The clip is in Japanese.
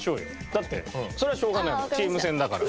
だってそれはしょうがないもんチーム戦だから。